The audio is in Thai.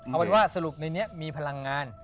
เอาเป็นว่าสรุปในนี้มีพลังงาน